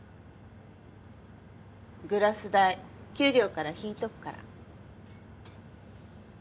グラス代給料から引いとくから。